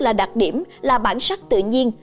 là đặc điểm là bản sắc tự nhiên